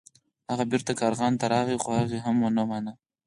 هغه بیرته کارغانو ته راغی خو هغوی هم ونه مانه.